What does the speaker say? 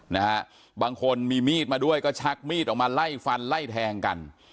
นะฮะบางคนมีมีดมาด้วยก็ชักมีดออกมาไล่ฟันไล่แทงกัน